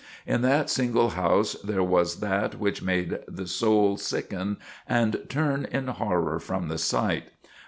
In that single house there was that which made the soul sicken and turn in horror from the sight.